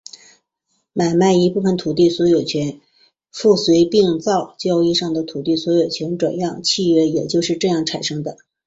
买卖一部分土地所有权附随井灶交易的土地所有权的转让契约也就是这样产生的。